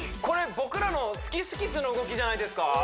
これ僕らのスッキスキスの動きじゃないですか？